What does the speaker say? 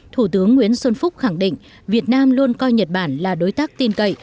thủ tướng nguyễn xuân phúc khẳng định việt nam luôn coi nhật bản là đối tác tin cậy